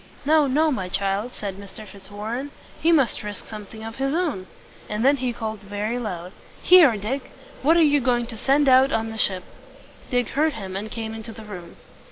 "No, no, my child!" said Mr. Fitzwarren. "He must risk something of his own." And then he called very loud, "Here, Dick! What are you going to send out on the ship?" Dick heard him, and came into the room.